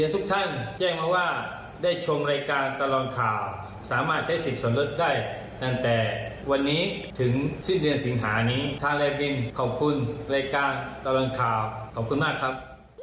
ทุกท่านแจ้งมาว่าได้ชมรายการตลอดข่าวสามารถใช้สิทธิ์สมรสได้ตั้งแต่วันนี้ถึงสิ้นเดือนสิงหานี้ทางลายบินขอบคุณรายการตลอดข่าวขอบคุณมากครับ